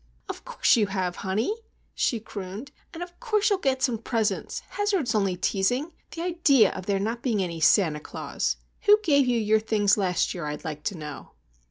"Of course you have, honey," she crooned, "and of course you'll get some presents! Hazard is only teasing. The idea of there not being any Santa Claus! Who gave you your things last year, I'd like to know?"